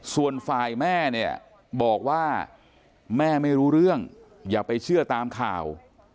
ส่วนฝ่ายแม่เนี่ยบอกว่าแม่ไม่รู้เรื่องอย่าไปเชื่อตามข่าว